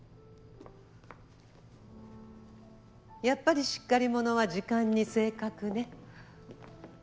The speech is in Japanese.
やっぱりしっかり者は時間に正確ね。